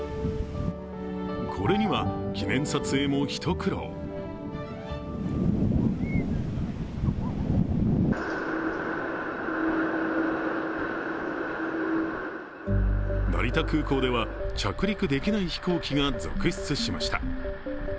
これには、記念撮影も一苦労成田空港では着陸できない飛行機が続出しました。